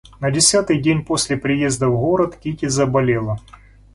На десятый день после приезда в город Кити заболела.